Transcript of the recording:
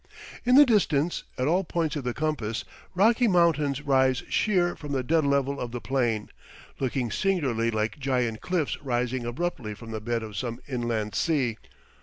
In the distance, at all points of the compass, rocky mountains rise sheer from the dead level of the plain, looking singularly like giant cliffs rising abruptly from the bed of some inland sea.